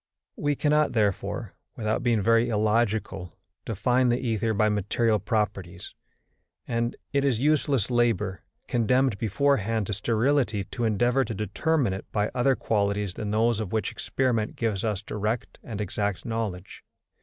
We cannot therefore, without being very illogical, define the ether by material properties, and it is useless labour, condemned beforehand to sterility, to endeavour to determine it by other qualities than those of which experiment gives us direct and exact knowledge.